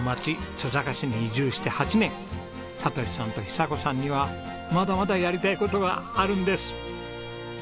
須坂市に移住して８年哲さんと久子さんにはまだまだやりたい事があるんです。